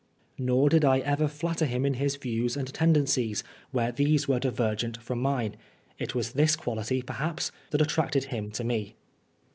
Nor did I ever flatter him in his views and tendencies, where these were divergent from mine. It was this quality, perhaps, that attracted him to me.